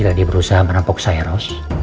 lagi berusaha menempok saya ros